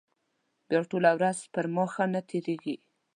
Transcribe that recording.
بیا ټوله ورځ پر ما ښه نه تېرېږي.